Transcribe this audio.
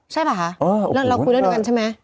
ใช่ป่ะฮะเราคุยด้วยกันใช่ไหม